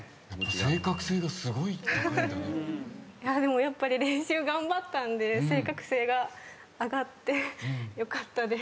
やっぱり練習頑張ったんで正確性が上がってよかったです。